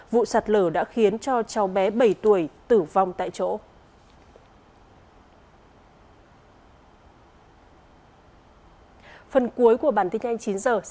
vụ sạt lở đã khiến cho cháu bé bảy tuổi tử vong tại chỗ